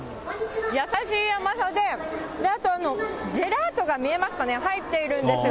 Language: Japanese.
優しい甘さで、ジェラートが、見えますかね、入っているんですよ。